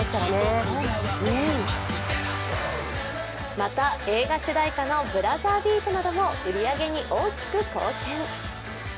また、映画主題歌の「ブラザービート」なども売り上げに大きく貢献。